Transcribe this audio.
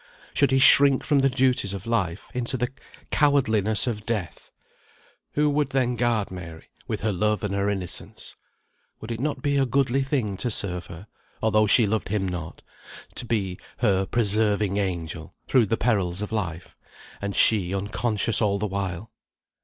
Should he shrink from the duties of life, into the cowardliness of death? Who would then guard Mary, with her love and her innocence? Would it not be a goodly thing to serve her, although she loved him not; to be her preserving angel, through the perils of life; and she, unconscious all the while?